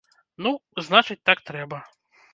Ну, значыць так трэба.